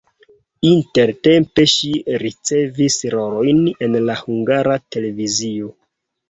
Intertempe ŝi ricevis rolojn en la Hungara Televizio.